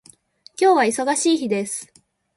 今日は忙しい日です。